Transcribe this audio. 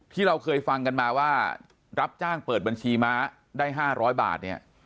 ที่เราเคยฟังกันมาว่ารับจ้างเปิดบัญชีม้าได้๕๐๐บาทเนี่ย